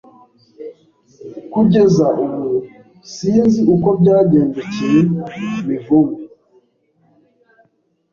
Kugeza ubu sinzi uko byagendekeye Mivumbi.